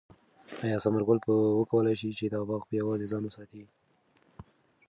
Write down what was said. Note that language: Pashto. آیا ثمر ګل به وکولای شي چې دا باغ په یوازې ځان وساتي؟